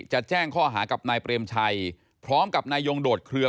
จะแจ้งข้อหากับนายเปรมชัยพร้อมกับนายยงโดดเคลือ